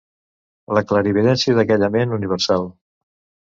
La clarividència d'aquella ment universal.